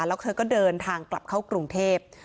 แล้วเธอก็เดินทางกลับเข้ากรุงเทพ